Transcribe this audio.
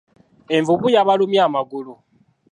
Envubu yabalumye amagulu.